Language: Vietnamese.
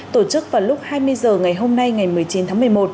tổ chức vào lúc hai mươi h ngày hôm nay ngày một mươi chín tháng một mươi một